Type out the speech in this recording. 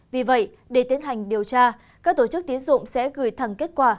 vì vậy để tiến hành điều tra các tổ chức tiến dụng sẽ gửi thẳng kết quả